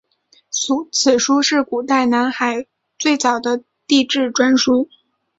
此书是古代南海最早的地志专书。